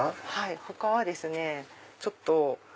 他はですねちょっと。